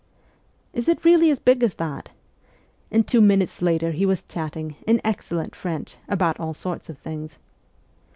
' Is it really as big as that ?' And two minutes later he was chatting, in excellent French, about all sorts of things.